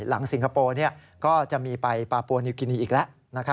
สิงคโปร์ก็จะมีไปปาโปนิวกินีอีกแล้ว